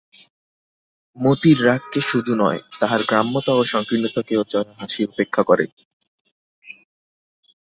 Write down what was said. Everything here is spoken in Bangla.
মতির রাগকে শুধু নয়, তাহার গ্রাম্যতা ও সংকীর্ণতাকেও জয়া হাসিয়া উপেক্ষা করে।